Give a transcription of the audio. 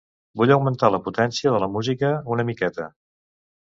Vull augmentar la potència de la música una miqueta.